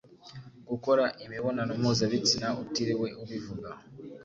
gukora imibonano mpuzabitsina utiriwe ubivuga